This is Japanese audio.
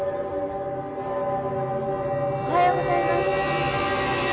・おはようございます。